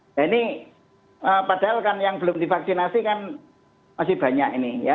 nah ini padahal kan yang belum divaksinasi kan masih banyak ini ya